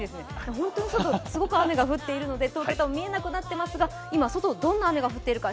本当に外、すごく雨が降っているので東京タワー見えなくなっていますが、外どんな雨が降っているのか。